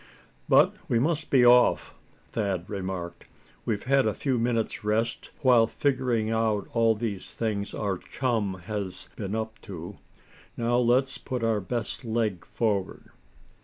"But we must be off," Thad remarked. "We've had a few minutes' rest while figuring out all these things our chum has been up to. Now let's put our best leg forward."